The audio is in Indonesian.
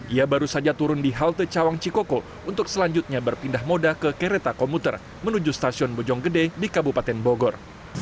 ia baru saja turun di halte cawang cikoko untuk selanjutnya berpindah moda ke kereta komuter menuju stasiun bojonggede di kabupaten bogor